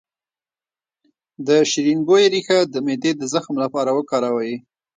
د شیرین بویې ریښه د معدې د زخم لپاره وکاروئ